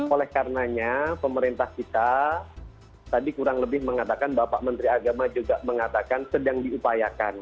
oleh karenanya pemerintah kita tadi kurang lebih mengatakan bapak menteri agama juga mengatakan sedang diupayakan